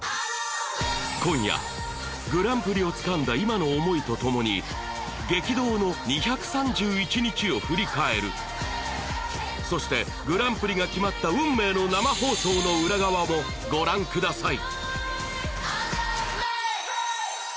今夜グランプリをつかんだ今の思いとともに激動の２３１日を振り返るそしてグランプリが決まった運命の生放送の裏側もご覧ください